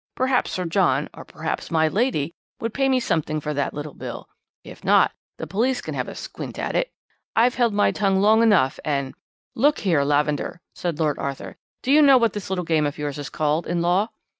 Perhaps Sir John, or perhaps my lady, would pay me something for that little bill. If not, the police can have a squint at it. I've held my tongue long enough, and ' "'Look here, Lavender,' said Lord Arthur, 'do you know what this little game of yours is called in law?'